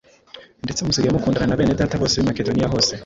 ndetse musigaye mukundana na bene Data bose b’i Makedoniya hose.